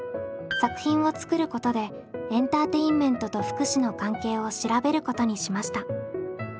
作品を作ることでエンターテインメントと福祉の関係を調べることにしました。